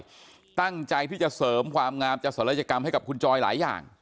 ตั้งใจที่จะเสริมความงามจะศรัยกรรมให้กับคุณจอยหลายอย่าง